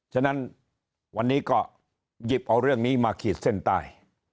ฉะนั้นวันนี้ก็หยิบเอาเรื่องนี้มาขีดเส้นใต้